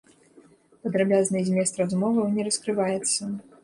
Падрабязны змест размоваў не раскрываецца.